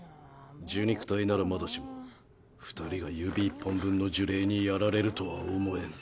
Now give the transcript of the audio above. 受肉体ならまだしも二人が指一本分の呪霊にやられるとは思えん。